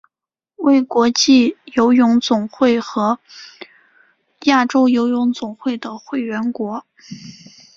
为国际游泳总会和亚洲游泳总会的会员国。